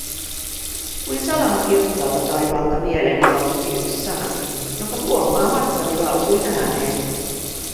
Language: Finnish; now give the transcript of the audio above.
Kuin salama kirkkaalta taivaalta, mieleeni pamahti yksi sana, jonka huomaamattani lausuin ääneen: